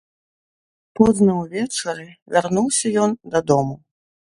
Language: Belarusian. Позна ўвечары вярнуўся ён дадому.